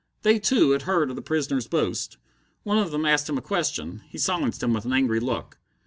They, too, had heard of the prisoner's boast. One of them asked him a question. He silenced him with an angry look.